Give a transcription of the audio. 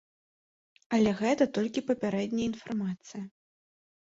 Але гэта толькі папярэдняя інфармацыя.